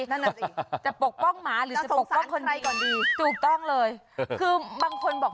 นั่นแหละสิจะปกป้องหมาหรือจะปกป้องคนไทยก่อนดีถูกต้องเลยคือบางคนบอก